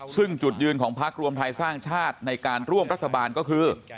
ซึ่งจุดยืนของพักรวมไทยสร้างชาติในการร่วมรัฐบาลก็คือ